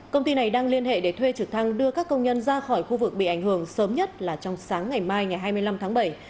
công ty này đang liên hệ để thuê trực thăng đưa các công nhân ra khỏi khu vực bị ảnh hưởng sớm nhất là trong sáng ngày mai ngày hai mươi năm tháng bảy